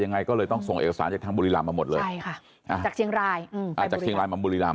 ยังไงค่อยก็เลยต้องส่งเอกสารจากบุรีรัมป์มาหมดเลย